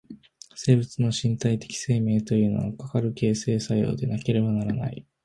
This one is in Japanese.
生物の身体的生命というのは、かかる形成作用でなければならない。